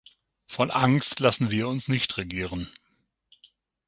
Von Angst lassen wir uns nicht regieren.